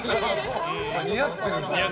似合ってる。